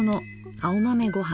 青豆ごはん。